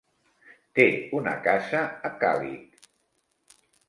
Té una casa a Càlig.